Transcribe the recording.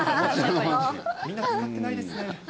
みんな使ってないですね。